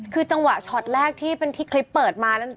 คือจังหวะช็อตแรกที่เป็นที่คลิปเปิดมานั้น